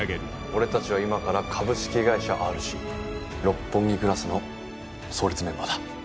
俺たちは今から株式会社ＲＣ六本木クラスの創立メンバーだ。